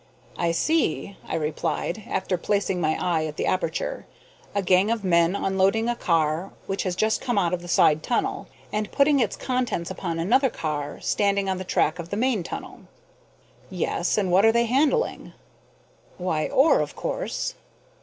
"I see," I replied, after placing my eye at the aperture, "a gang of men unloading a car which has just come out of the side tunnel, and putting its contents upon another car standing on the track of the main tunnel." "Yes, and what are they handling?" "Why, ore, of course."